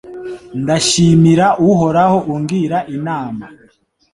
Ndashimira Uhoraho ungira inama